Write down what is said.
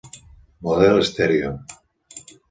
Model estèreo.